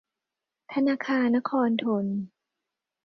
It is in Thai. ธนาคารนครธน